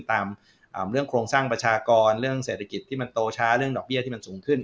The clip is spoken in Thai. ตามเรื่องโครงสร้างประชากรเรื่องเศรษฐกิจที่มันโตช้าเรื่องดอกเบี้ยที่มันสูงขึ้น